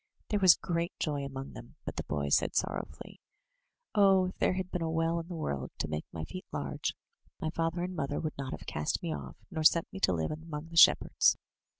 There was great joy among them, but the boy said sorrowfully: "Oh! if there had been a well in the world to make my feet large, my father and mother would not have cast me off, nor sent me to live among the shepherds.''